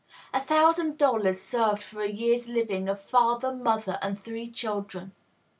A thousand dollars served for a year's living of father, mother, and three children.